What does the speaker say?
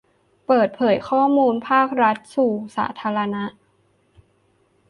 เปิดเผยข้อมูลภาครัฐสู่สาธารณะ